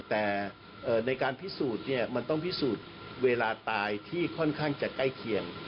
แต่ในการพิสูจน์เนี่ยมันต้องพิสูจน์เวลาตายที่ค่อนข้างจะใกล้เคียง